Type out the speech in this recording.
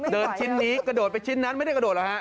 ชิ้นนี้กระโดดไปชิ้นนั้นไม่ได้กระโดดหรอฮะ